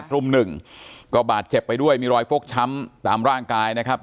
กลุ่มหนึ่งก็บาดเจ็บไปด้วยมีรอยฟกช้ำตามร่างกายนะครับ